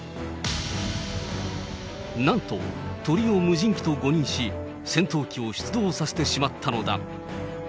なんと、鳥を無人機と誤認し、戦闘機を出動させてしまったのだ。